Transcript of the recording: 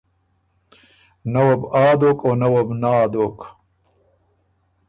نۀ وه بُو ”آ“ دوک او نۀ وه بو ”نا“ دوک۔